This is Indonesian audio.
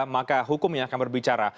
maka hukumnya akan berbicara